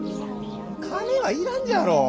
カメはいらんじゃろう。